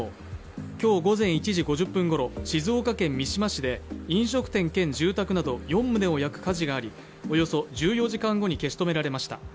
今日午前１時５０分ごろ、静岡県三島市で飲食店兼住宅など４棟を焼く火事がありおよそ１４時間後に消し止められました。